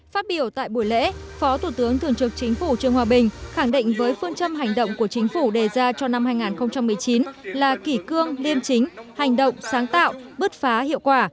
phát biểu tại buổi lễ phó thủ tướng thường trực chính phủ trương hòa bình khẳng định với phương châm hành động của chính phủ đề ra cho năm hai nghìn một mươi chín là kỷ cương liêm chính hành động sáng tạo bước phá hiệu quả